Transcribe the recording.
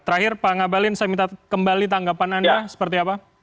terakhir pak ngabalin saya minta kembali tanggapan anda seperti apa